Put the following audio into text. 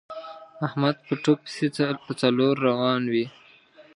احمد په ټوک پسې په څلور روان وي.